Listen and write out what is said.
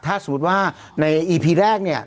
ถ้าสมมุติว่าในอีพีแรกเนี่ย